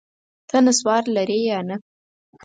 ته نسوار لرې یا نه؟